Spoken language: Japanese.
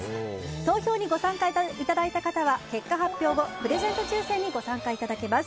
投票に参加いただいた方は結果発表後プレゼント抽選にご参加いただきます。